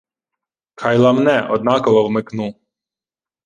— Хай ламне, однаково вмикну.